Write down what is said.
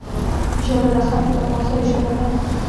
ژبه د خلکو د خوښۍ ژبه ده